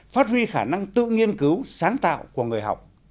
phát huy khả năng tự nghiên cứu sáng tạo của người học